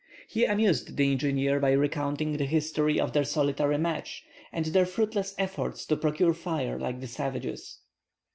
He amused the engineer by recounting the history of their solitary match, and their fruitless efforts to procure fire like the savages.